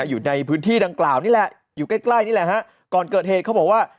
อยู่ในพื้นที่ดังกล่าวนี่แหละใกล้นี่แหละข้อการเกิดเหตุเขาบอกว่า